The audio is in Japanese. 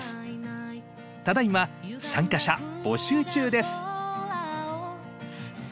ただいま参加者募集中です。